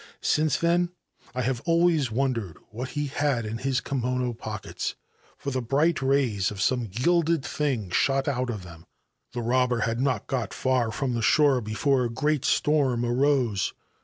Since :hen I have always wondered what he had in his kimono Dockets, for the bright rays of some gilded thing shot out }f them. The robber had not got far from the shore Before a great storm arose.